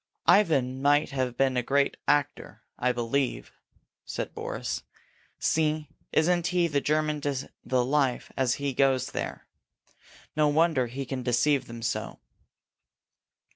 "Ivan might have been a great actor, I believe," said Boris. "See, isn't he the German to the life as he goes, there? No wonder he can deceive them so!"